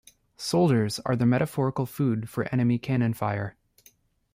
Soldiers are the metaphorical food for enemy cannon fire.